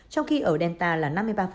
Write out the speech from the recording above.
trong khi ở delta là năm mươi ba